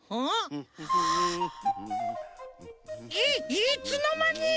いいつのまに！？